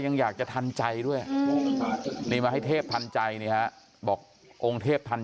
ยังอยากจะทันใจด้วยนี่มาให้เทพทันใจนี่ฮะบอกองค์เทพทัน